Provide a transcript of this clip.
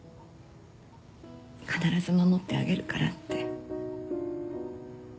「必ず守ってあげるから」って。